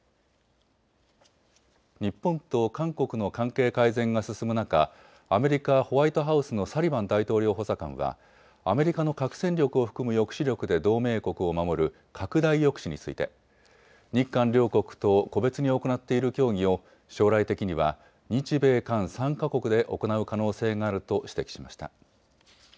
日本と韓国の関係改善が進む中、アメリカ、ホワイトハウスのサリバン大統領補佐官はアメリカの核戦力を含む抑止力で同盟国を守る拡大抑止について日韓両国と個別に行っている協議を将来的には日米韓３か国で行う可能性があると指摘しました。